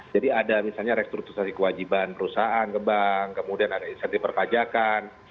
jadi ada misalnya restrukturasi kewajiban perusahaan ke bank kemudian ada insentif perpajakan